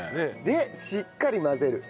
でしっかり混ぜる。